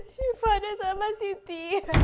siva ada sama sinti